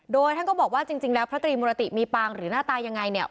โดยท่านก็บอกว่าจริงแล้วพระตรีมุรติมีปางหรือหน้าตายังไงเนี่ย